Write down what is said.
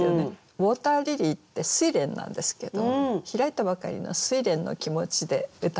「ウォーターリリー」ってすいれんなんですけど開いたばかりのすいれんの気持ちでうたってみました。